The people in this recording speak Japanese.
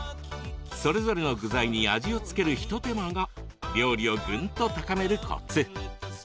それぞれの具材に味を付ける一手間が料理をぐんと高めるコツ。